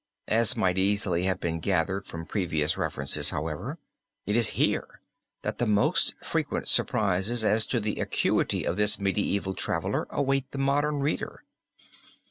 As might easily have been gathered from previous references, however, it is here that the most frequent surprises as to the acuity of this medieval traveler await the modern reader.